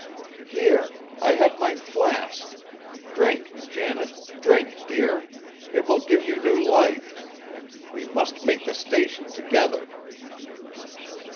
"Here, I have my flask. Drink, Janet! Drink, dear, it will give you new life. We must make the Station together."